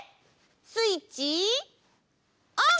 スイッチオン！